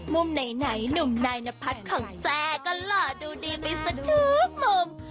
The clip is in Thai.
มุมไหนหนุ่มนายนพัฒน์ของแจ้ก็หล่อดูดีไปสักทุกมุม